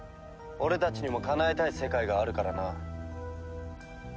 俺たちにもかなえたい世界があるからな。